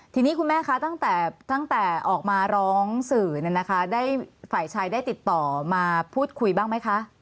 ทีนี้คุณแม่คะตั้งแต่ออกมาร้องสื่อได้ฝ่ายชายได้ติดต่อมาพูดคุยบ้างไหมคะ